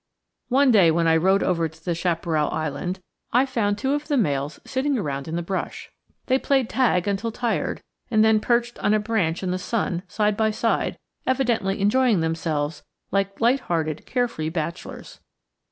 One day when I rode over to the chaparral island, I found two of the males sitting around in the brush. They played tag until tired, and then perched on a branch in the sun, side by side, evidently enjoying themselves like light hearted, care free bachelors.